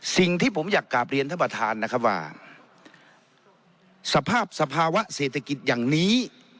สิ่งที่ผมอยากกลับเรียนท่านประธานนะครับว่าสภาพสภาวะเศรษฐกิจอย่างนี้